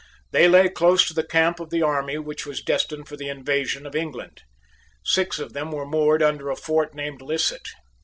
They lay close to the camp of the army which was destined for the invasion of England. Six of them were moored under a fort named Lisset.